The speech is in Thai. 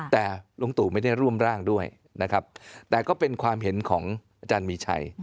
แต่ลุงตู่ไม่ได้ร่วมร่างด้วยนะครับแต่ก็เป็นความเห็นของอาจารย์มีชัย